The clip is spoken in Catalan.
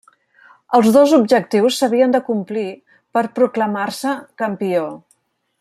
Els dos objectius s'havien de complir per proclamar-se campió.